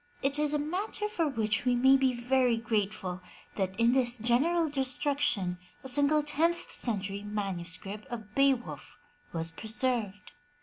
It is a matter for which we may be very grateful, that in this general destruction, a single tenth century manuscript of Beowulf was preserved.